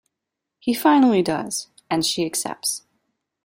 He finally does and she accepts.